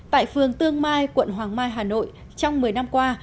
tại phường tương mai quận hoàng mai hà nội trong một mươi năm qua